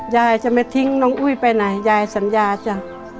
ยายจะไม่ทิ้งน้องอุ้ยไปไหนยายสัญญาจ้ะ